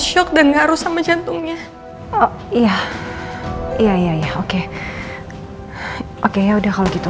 shock dan ngaruh sama jantungnya oh iya iya iya oke ya udah kalau gitu